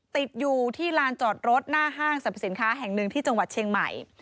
ติดอยู่ที่ลานจอดรถหน้าห้างสรรพสินค้าแห่งหนึ่งที่จังหวัดเชียงใหม่